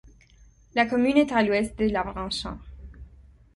La commune est à l'ouest de l'Avranchin.